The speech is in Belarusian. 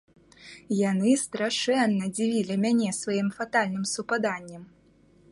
Яны страшэнна дзівілі мяне сваім фатальным супаданнем.